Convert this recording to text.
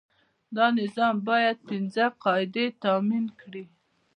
دا نظام باید پنځه قاعدې تامین کړي.